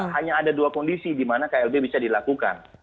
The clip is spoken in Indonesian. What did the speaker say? hanya ada dua kondisi dimana klb bisa dilakukan